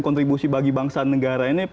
kontribusi bagi bangsa dan negara ini